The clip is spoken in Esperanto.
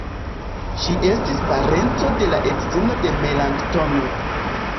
Ŝi estis parenco de la edzino de Melanktono.